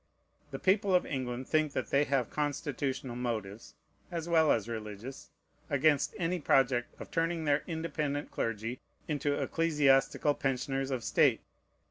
The people of England think that they have constitutional motives, as well as religious, against any project of turning their independent clergy into ecclesiastical pensioners of state.